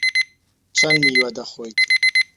چەند میوە دەخۆیت؟